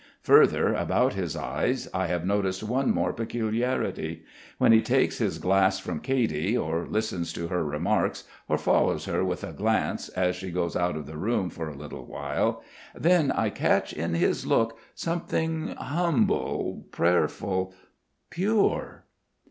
Further, about his eyes I have noticed one more peculiarity. When he takes his glass from Katy, or listens to her remarks, or follows her with a glance as she goes out of the room for a little while, then I catch in his look something humble, prayerful, pure....